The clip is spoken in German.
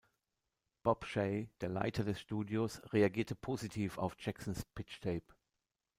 Bob Shaye, der Leiter des Studios, reagierte positiv auf Jacksons Pitch-Tape.